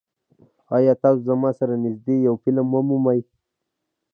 ایا تاسو زما سره نږدې یو فلم ومومئ؟